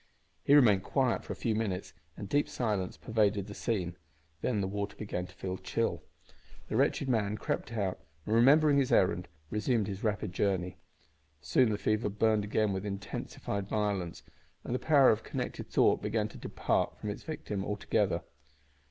He remained quiet for a few minutes and deep silence pervaded the scene. Then the water began to feel chill. The wretched man crept out and, remembering his errand, resumed his rapid journey. Soon the fever burned again with intensified violence, and the power of connected thought began to depart from its victim altogether.